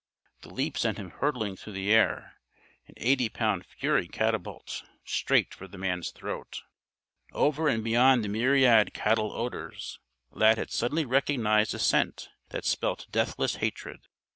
The leap sent him hurtling through the air, an eighty pound furry catapult, straight for the man's throat. Over and beyond the myriad cattle odors, Lad had suddenly recognized a scent that spelt deathless hatred.